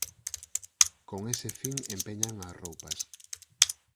con ese fin empeñan as roupas.